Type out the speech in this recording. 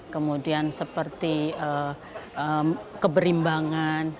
kemudian seperti keberimbangan